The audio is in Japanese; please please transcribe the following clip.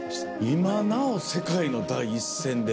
今なお世界の第一線で。